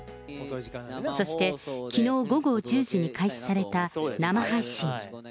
そして、きのう午後１０時に開始された生配信。